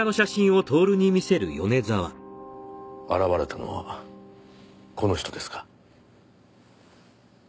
現れたのはこの人ですか？